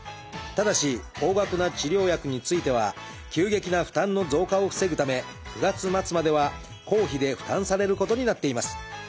ただし高額な治療薬については急激な負担の増加を防ぐため９月末までは公費で負担されることになっています。